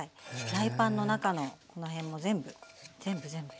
フライパンの中のこの辺も全部全部全部。